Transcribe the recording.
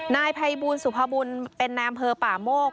นายภัยบูลสุภบุญเป็นนายอำเภอป่าโมก